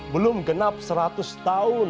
belum genap seratus tahun